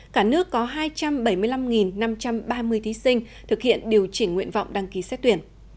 cả nước có hai trăm bảy mươi năm năm trăm ba mươi thí sinh thực hiện điều chỉnh nguyện vọng đăng ký xét tuyển